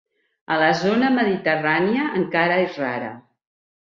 A la zona mediterrània encara és rara.